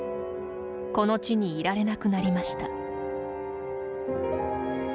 この地にいられなくなりました。